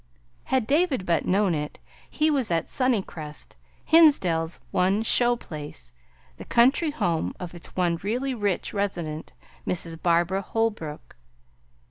Had David but known it, he was at Sunny crest, Hinsdale's one "show place," the country home of its one really rich resident, Miss Barbara Holbrook.